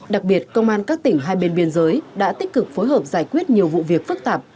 đặc biệt công an các tỉnh hai bên biên giới đã tích cực phối hợp giải quyết nhiều vụ việc phức tạp